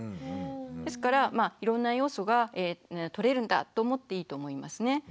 ですからいろんな栄養素がとれるんだと思っていいと思いますね。